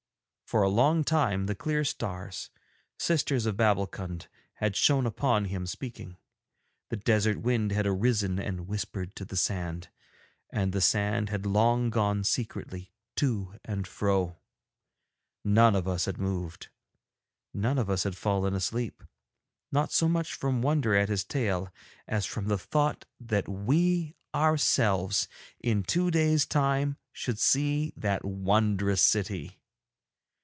For a long time the clear stars, sisters of Babbulkund, had shone upon him speaking, the desert wind had arisen and whispered to the sand, and the sand had long gone secretly to and fro; none of us had moved, none of us had fallen asleep, not so much from wonder at his tale as from the thought that we ourselves in two days' time should see that wondrous city.